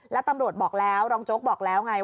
แล้วตำรวจบอกแล้วรองโจ๊กบอกแล้วไง